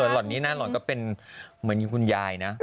หล่อนนี้หน้าหล่อนก็เป็นเหมือนคุณยายนะ